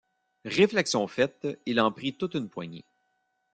Réflexion faite, il en prit toute une poignée.